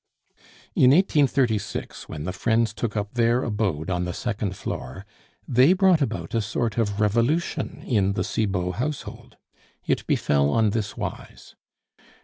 In 1836, when the friends took up their abode on the second floor, they brought about a sort of revolution in the Cibot household. It befell on this wise.